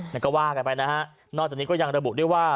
แล้วก็ว่ากันไปนะฮะนอกจากนี้ก็ยังระบุด้วยว่า